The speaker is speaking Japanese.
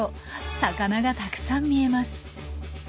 魚がたくさん見えます。